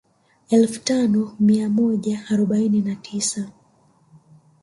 Elfu tano mai moja arobaini na tisa